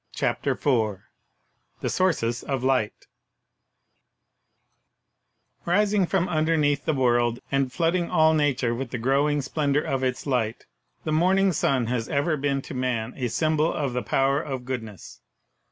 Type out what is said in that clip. CHAPTER IV THE SOURCES OF LIGHT Rising from underneath the world, and flooding all nature with the growing splendor of its Light, the morn ing sun has ever been to man a symbol of the power of goodness.